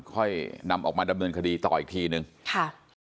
ค่อยนำออกมาดำเนินคดีต่ออีกทีนึงค่ะ